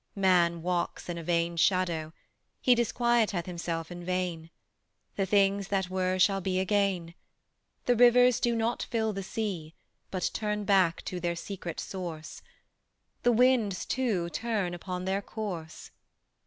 Man walks in a vain shadow; he Disquieteth himself in vain. The things that were shall be again. The rivers do not fill the sea, But turn back to their secret source; The winds too turn upon their course.